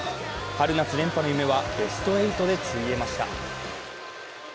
春夏連覇の夢は、ベスト８でついえました。